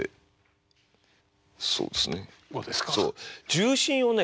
重心をね